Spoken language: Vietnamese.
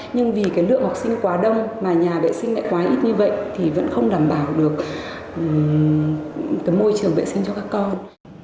nhưng vì cái lượng học sinh quá đông mà nhà vệ sinh lại quá ít như vậy thì vẫn không đảm bảo được cái môi trường vệ sinh cho các con